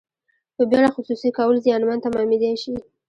په بیړه خصوصي کول زیانمن تمامیدای شي.